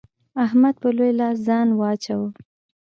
احمد په لوی لاس ځان واچاوو.